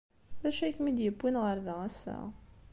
D acu ay kem-id-yewwin ɣer da ass-a?